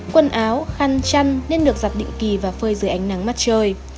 quần áo khăn chăn nên được giặt định kỳ và phơi dưới ánh nắng mặt trời